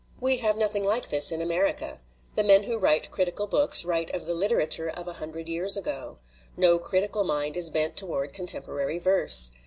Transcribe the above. "We have nothing like this in America. The men who write critical books write of the litera 261 LITERATURE IN THE MAKING ture of a hundred years ago. No critical mind is bent toward contemporary verse.